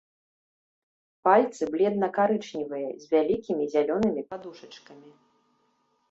Пальцы бледна-карычневыя, з вялікімі зялёнымі падушачкамі.